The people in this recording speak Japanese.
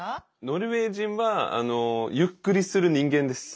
ノルウェー人はゆっくりする人間です。